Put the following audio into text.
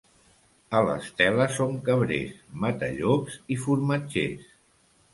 A l'Estela són cabrers, matallops i formatgers.